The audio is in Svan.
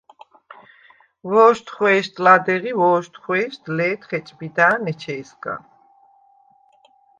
ვო̄შთხვე̄შდ ლადეღ ი ვო̄შთხვე̄შდ ლე̄თ ხეჭბიდა̄̈ნ ეჩე̄სგა.